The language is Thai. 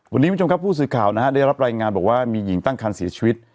วันนี้คุณผู้ชมครับผู้สื่อข่าวนะฮะได้รับรายงานบอกว่ามีหญิงตั้งคันเสียชีวิต